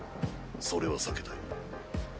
それは避けたい。